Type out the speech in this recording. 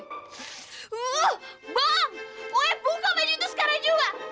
uh bang gue buka baju itu sekarang juga